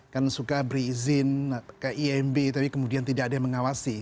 kan suka beri izin ke imb tapi kemudian tidak ada yang mengawasi